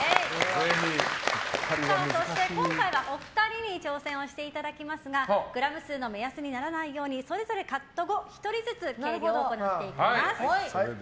今回はお二人に挑戦していただきますがグラム数の目安にならないようにそれぞれカット後１人ずつ計量を行っていきます。